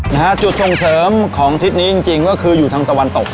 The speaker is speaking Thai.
นะฮะจุดส่งเสริมของทิศนี้จริงจริงก็คืออยู่ทางตะวันตก